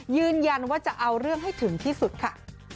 ยืนยันว่าจะเอาเรื่องให้ถึงที่สุดค่ะ